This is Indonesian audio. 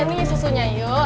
ini susunya yuk